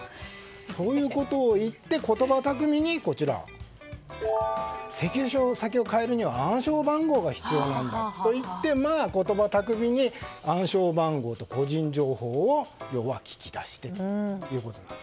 そういうことを言って言葉巧みに請求書先を変えるには暗証番号が必要なんだといって言葉巧みに暗証番号と個人情報を聞き出していたと。